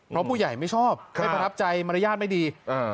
เพราะผู้ใหญ่ไม่ชอบไม่ประทับใจมารยาทไม่ดี